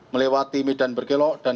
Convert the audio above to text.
melewati medan bergelok dan